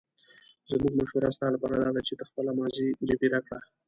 زموږ مشوره ستا لپاره داده چې ته خپله ماضي جبیره کړه.